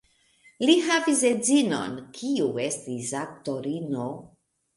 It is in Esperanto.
Li havis edzinon, kiu estis aktorino.